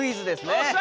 よっしゃ！